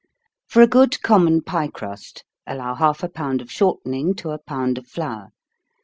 _ For a good common pie crust allow half a pound of shortening to a pound of flour.